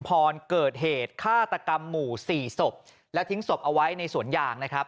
เกิดเหตุฆาตกรรมหมู่สี่ศพและทิ้งศพเอาไว้ในสวนยางนะครับ